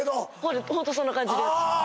ホントそんな感じで。